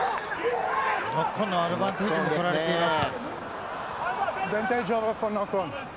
ノックオンのアドバンテージもとられています。